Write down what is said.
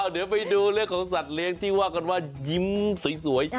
เดี๋ยวไปดูเรื่องของสัตว์เลี้ยงที่ว่ากันว่ายิ้มสวย